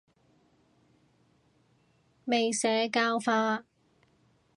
未社教化